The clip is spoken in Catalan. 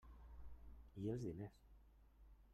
I els diners?